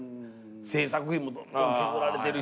制作費もどんどん削られてるしさ。